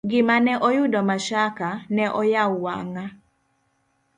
Gima ne oyudo Mashaka, ne oyawo wang'a.